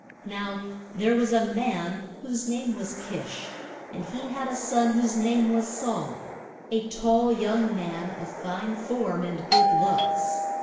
Now there was a man whose name was Kish, and he had a son whose name was Saul, a tall young man of fine form and good looks.